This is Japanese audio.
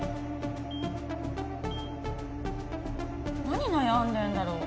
何悩んでるんだろう？